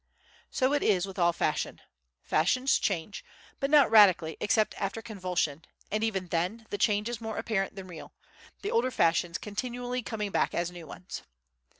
So it is with all fashion. Fashions change, but not radically except after convulsion and, even then, the change is more apparent than real, the older fashions continually coming back as new ones.